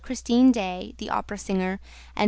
Christine Daae, the opera singer, and M.